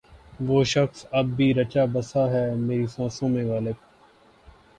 وہ شخص اب بھی رچا بسا ہے میری سانسوں میں غالب